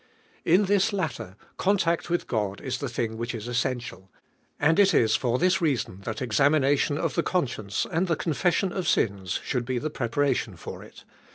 In this latter, contact with God is the thing which is essential, and it for this reason thait examination of the conscience and the confession of sins should be the preparation for it (I.